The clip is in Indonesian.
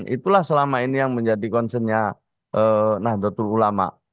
itulah selama ini yang menjadi concern nya nandatul ulama